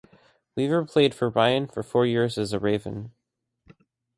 Weaver played for Ryan for four years as a Raven.